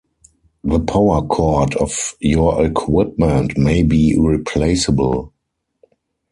The power cord of your equipment may be replaceable.